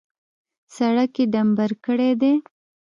سړک یې ډامبر کړی دی.